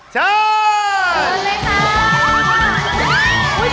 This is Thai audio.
ช่อย